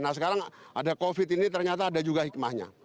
nah sekarang ada covid ini ternyata ada juga hikmahnya